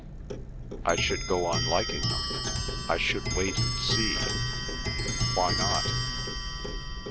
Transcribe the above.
"I should go on liking them—I should wait and see. Why not?"